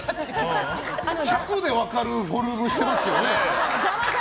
１００で分かるフォルムしてますけどね。